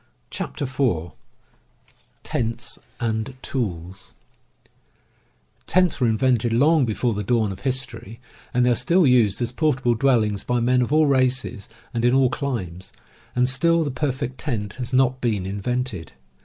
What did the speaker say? CHAPTER IV TENTS AND TOOLS T^ENTS were invented long before the dawn of his ^ tory, and they are still used as portable dwellings by men of all races and in all climes — and still the per fect tent has not been invented.